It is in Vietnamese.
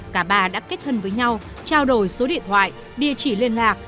cả bà đã kết thân với nhau trao đổi số điện thoại địa chỉ liên lạc